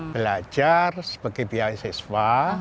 belajar sebagai beasiswa